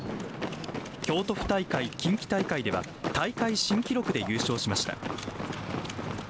京都府大会、近畿大会では大会新記録で優勝しました。